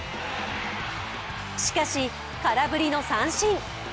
しかし、空振りの三振。